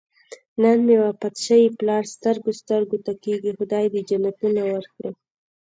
نن مې وفات شوی پلار سترګو سترګو ته کېږي. خدای دې جنتونه ورکړي.